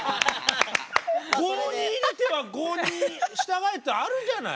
郷に入っては郷に従えってあるじゃない。